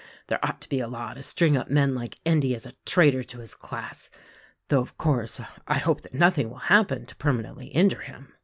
There ought to be a law to string up men like Endy as a traitor to his class — though, of course, I hope that nothing will hap pen to permanently injure him."